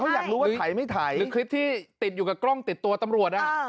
หรือคลิปที่ติดอยู่กับกล้องติดตัวตำรวจ